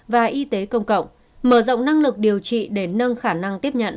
và y tế công cộng mở rộng năng lực điều trị để nâng khả năng tiếp nhận